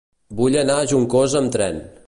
Vull anar a Juncosa amb tren.